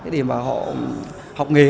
để mà họ học nghề